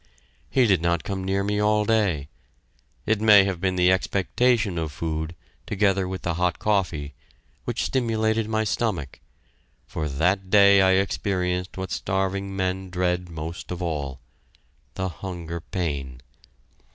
He did not come near me all day. It may have been the expectation of food, together with the hot coffee, which stimulated my stomach, for that day I experienced what starving men dread most of all the hunger pain.